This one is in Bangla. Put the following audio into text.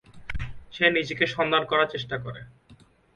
সে নিজেকে সন্ধান করার চেষ্টা করে।